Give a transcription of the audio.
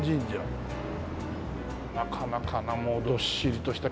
なかなかなもうどっしりとした。